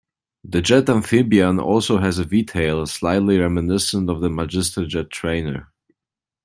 The Jet-amphibian also has a V-tail, slightly reminiscent of the Magister jet trainer.